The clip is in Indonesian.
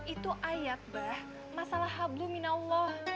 itu ayat bah masalah hablu minallah